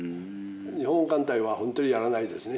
日本艦隊はほんとにやらないですね。